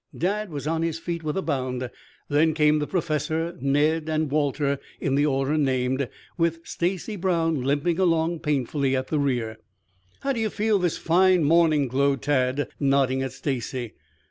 Dad was on his feet with a bound. Then came the Professor, Ned and Walter in the order named, with Stacy Brown limping along painfully at the rear. "How do you feel this fine morning?" glowed Tad, nodding at Stacy.